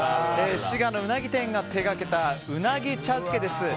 滋賀のウナギ店が手掛けたうなぎ茶漬です。